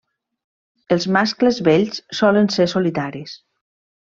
Els mascles vells solen ser solitaris.